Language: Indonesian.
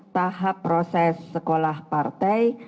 tahap proses sekolah partai